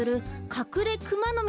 カクレクマノミ？